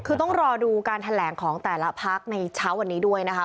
คือต้องรอดูการแถลงของแต่ละพักในเช้าวันนี้ด้วยนะคะ